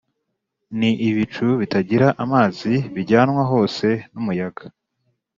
ni ibicu bitagira amazi bijyanwa hose n’umuyaga